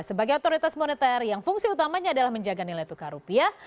sebagai otoritas moneter yang fungsi utamanya adalah menjaga nilai tukar rupiah